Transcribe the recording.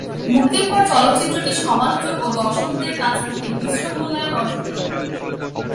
মুক্তির পর চলচ্চিত্রটি সমালোচক ও দর্শকদের কাছ থেকে মিশ্র মূল্যায়ন অর্জন করে।